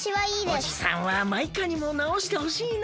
おじさんはマイカにもなおしてほしいな。